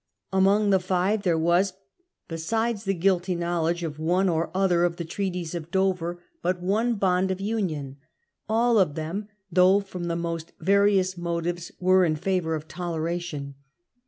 Among the five there was, besides the guilty knowledge of one or other of the Treaties of Dover, but one bond of union. All of them, though from the most various motives, were in favour of toleration.